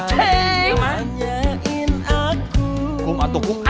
tengah tengah tengah tengah